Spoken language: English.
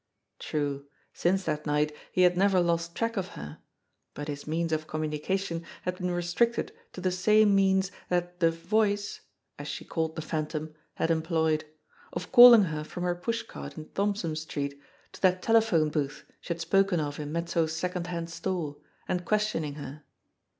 True, since that night he had never lost track of her, but his means of communication had been restricted to the same means that the "Voice," as she called the Phan tom, had employed of calling her from her pushcart in Thompson Street to that telephone booth she had spoken of in Mezzo's second hand store, and questioning her.